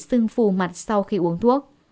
sưng phù mặt sau khi uống thuốc